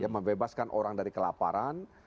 membebaskan orang dari kelaparan